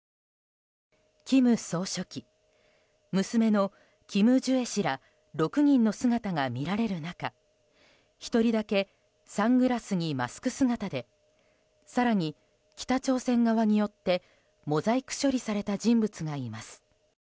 金総書記、娘のキム・ジュエ氏ら６人の姿が見られる中１人だけサングラスにマスク姿で更に、北朝鮮側によってモザイク処理された人物がいます。